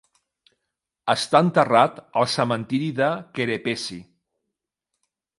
Està enterrat al cementiri de Kerepesi.